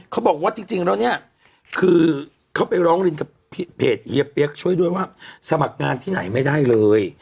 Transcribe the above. เขาบอกว่าจริงแล้วเนี่ยคือเขาไปร้องเรียนกับเพจเฮียเปี๊ยกช่วยด้วยว่าสมัครงานที่ไหนไม่ได้เลย